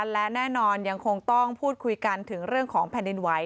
และแน่นอนยังคงต้องพูดคุยกันถึงเรื่องของแผ่นดินไหว